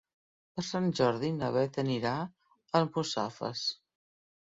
Per Sant Jordi na Beth anirà a Almussafes.